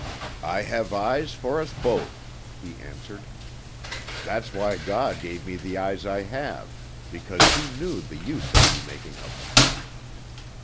"I have eyes for us both," he answered. "That's why God gave me the eyes I have, because He knew the use I'd be making of them."